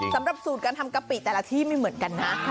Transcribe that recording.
สำหรับสูตรการทำกะปิแต่ละที่ไม่เหมือนกันนะ